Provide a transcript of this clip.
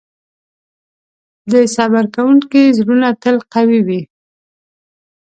د صبر کوونکي زړونه تل قوي وي.